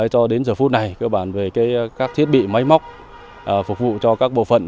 cho đến giờ phút này các thiết bị máy móc phục vụ cho các bộ phận